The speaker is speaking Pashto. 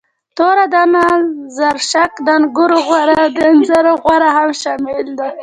توره دانه، زرشک، د انګورو غوره او د انځرو غوره هم شامل دي.